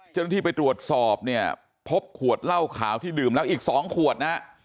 เจ้าหน้าที่ไปตรวจสอบเนี่ยพบขวดเหล้าขาวที่ดื่มแล้วอีก๒ขวดนะฮะ